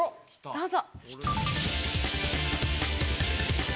どうぞ。